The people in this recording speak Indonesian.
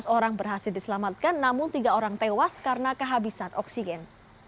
tiga belas orang berhasil diselamatkan namun tiga orang tewas karena kehabisan oksigen